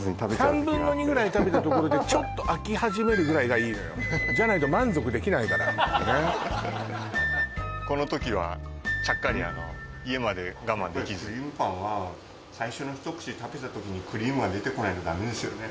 ３分の２ぐらい食べたところでちょっと飽き始めるぐらいがいいのよじゃないと満足できないからねっこの時はちゃっかり家まで我慢できずクリームパンは最初の一口食べた時にクリームが出てこないとダメですよね・